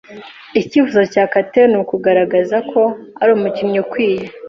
Icyifuzo cya Kate nukugaragaza ko ari umukinnyi ukwiye.